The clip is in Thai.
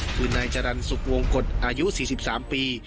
คือนายจรรย์สุขวงกฎอายุ๔๓ปี